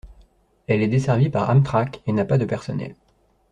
Elle est desservie par Amtrak, et n'a pas de personnel.